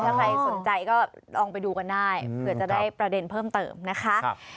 ถ้าใครสนใจก็ลองไปดูกันได้เผื่อจะได้ประเด็นเพิ่มเติมนะคะ